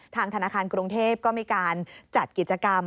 ธนาคารกรุงเทพก็มีการจัดกิจกรรม